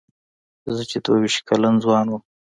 زه چې دوه وېشت کلن ځوان وم.